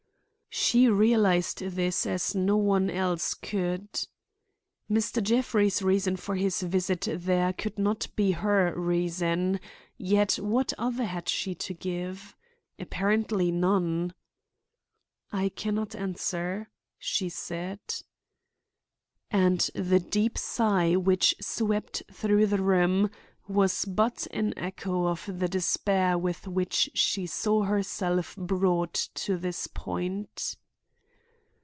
She realized this as no one else could. Mr. Jeffrey's reason for his visit there could not be her reason, yet what other had she to give? Apparently none. "I can not answer," she said. And the deep sigh which swept through the room was but an echo of the despair with which she saw herself brought to this point.